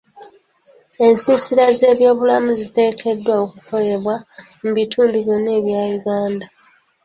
Ensiisira z'ebyobulamu ziteekeddwa okukolebwa mu bitundu byonna ebya Uganda.